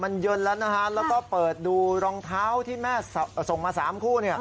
มันเยินแล้วก็เปิดดูลองเท้าที่แม่ส่งมา๓คู่